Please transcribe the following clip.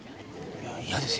嫌ですよ。